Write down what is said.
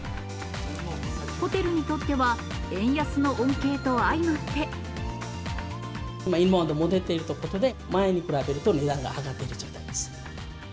ホテルにとっては、今はインバウンドも戻ってるということで、前に比べると、値段が上がっている状態です。